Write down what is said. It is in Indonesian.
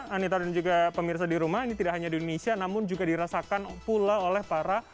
anita dan juga pemirsa di rumah ini tidak hanya di indonesia namun juga dirasakan pula oleh para